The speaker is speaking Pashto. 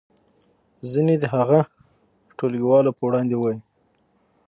ځینې دې هغه ټولګیوالو په وړاندې ووایي.